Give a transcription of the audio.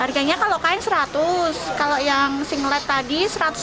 harganya kalau kain seratus kalau yang singlet tadi satu ratus lima puluh